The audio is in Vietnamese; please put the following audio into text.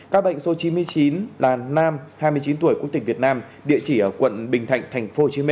các bệnh số chín mươi chín là nam hai mươi chín tuổi quốc tịch việt nam địa chỉ ở quận bình thạnh tp hcm